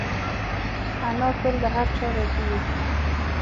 انا تل له هر چا راضي وي